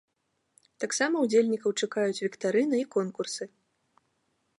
Таксама ўдзельнікаў чакаюць віктарына і конкурсы.